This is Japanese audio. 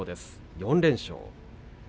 ４連勝。